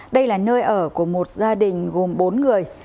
đây là nơi ở của một gia đình gồm bốn người